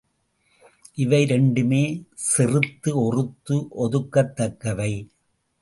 இவை இரண்டுமே செறுத்து ஒறுத்து ஒதுக்கத்தக்கவை.